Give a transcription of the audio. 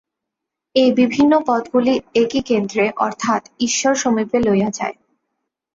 এই বিভিন্ন পথগুলি একই কেন্দ্রে অর্থাৎ ঈশ্বর-সমীপে লইয়া যায়।